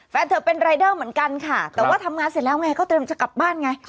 แฟนเธอเป็นรายเดอร์เหมือนกันค่ะแต่ว่าทำงานเสร็จแล้วไงก็เตรียมจะกลับบ้านไง